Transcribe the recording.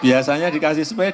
biasanya dikasih sempurna pak